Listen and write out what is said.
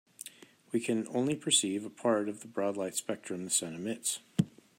We can only perceive a part of the broad light spectrum the sun emits.